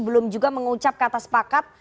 belum juga mengucap kata sepakat